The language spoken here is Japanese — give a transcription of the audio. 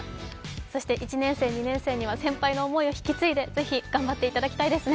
そして１年生、２年生には先輩の思いを引き継いで、是非、頑張っていただきたいですね